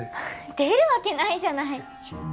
出るわけないじゃない。